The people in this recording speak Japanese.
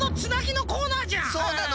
そうなの。